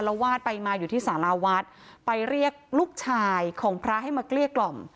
วาดไปมาอยู่ที่สาราวัดไปเรียกลูกชายของพระให้มาเกลี้ยกล่อม